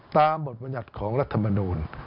ตามบทบรรยัติของรัฐมนูล